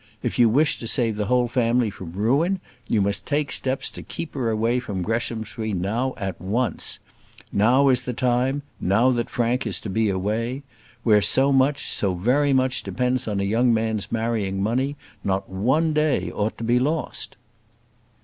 If you wish to save the whole family from ruin, you must take steps to keep her away from Greshamsbury now at once. Now is the time; now that Frank is to be away. Where so much, so very much depends on a young man's marrying money, not one day ought to be lost."